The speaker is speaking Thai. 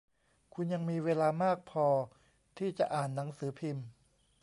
คุณยังมีเวลามากพอที่จะอ่านหนังสือพิมพ์